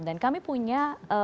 dan kami punya